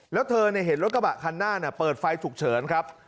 แล้วเธอเห็นรถกระบะคันหน้าเปิดไฟฉุกเฉินครับ